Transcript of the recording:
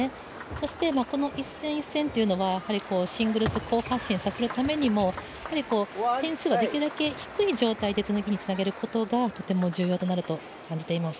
そして、この一戦一戦というのはシングルス好発進させるためにも点数はできるだけ低い状態で次につなげることがとても重要となると感じています。